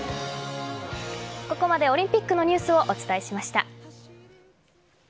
ここまでオリンピックのニュースをお伝えしました。